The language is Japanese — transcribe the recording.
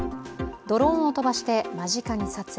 ドローンを飛ばして、間近に撮影。